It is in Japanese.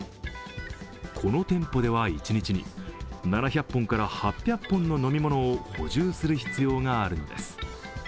この店舗では一日に７００本から８００本の飲み物を補充する必要があるのです。